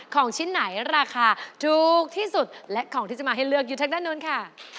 ของชิ้นไหนราคาถูกที่สุดและของที่จะมาให้เลือกอยู่ทางด้านนู้นค่ะ